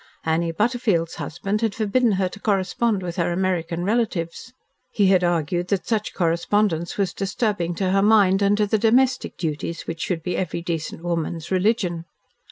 Annie Butterfield's husband had forbidden her to correspond with her American relatives. He had argued that such correspondence was disturbing to her mind, and to the domestic duties which should be every decent woman's religion.